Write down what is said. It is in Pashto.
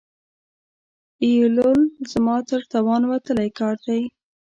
ایېلول زما تر توان وتلی کار دی.